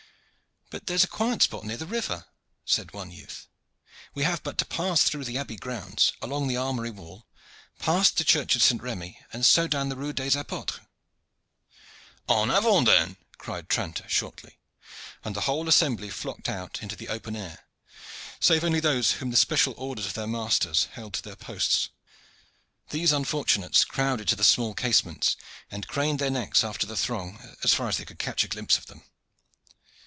"But there is a quiet spot near the river," said one youth. "We have but to pass through the abbey grounds, along the armory wall, past the church of St. Remi, and so down the Rue des Apotres." "En avant, then!" cried Tranter shortly, and the whole assembly flocked out into the open air, save only those whom the special orders of their masters held to their posts. These unfortunates crowded to the small casements, and craned their necks after the throng as far as they could catch a glimpse of them.